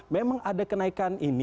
memang ada kenaikan ini